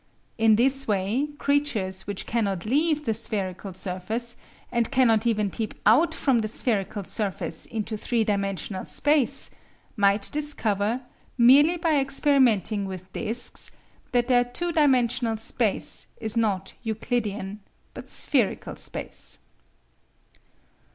In this way creatures which cannot leave the spherical surface, and cannot even peep out from the spherical surface into three dimensional space, might discover, merely by experimenting with discs, that their two dimensional "space" is not Euclidean, but spherical space.